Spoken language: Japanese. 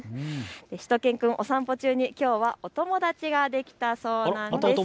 しゅと犬くん、お散歩中にきょうはお友達ができたそうなんです。